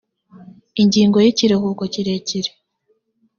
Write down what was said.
ingingo y ikiruhuko kirekire